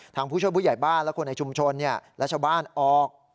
ทางผู้ช่วยผู้ใหญ่บ้านและคนในชุมชนเนี่ยรัชบ้านออก